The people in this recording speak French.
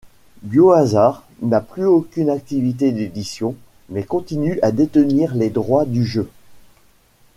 Biohazard n'a plus aucune activité d'édition, mais continue à détenir les droits du jeu.